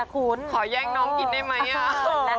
ขอแย่งน้องกินได้มั้ยอ่ะ